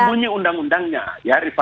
itu semuanya undang undangnya ya